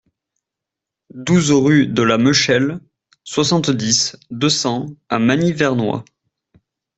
douze rue de la Mechelle, soixante-dix, deux cents à Magny-Vernois